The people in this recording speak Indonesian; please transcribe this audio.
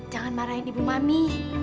jangan marahin ibu mami